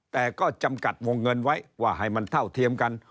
แต่ก็จำกัดวงเงินไว้ว่าให้มันเท่าเทียมกัน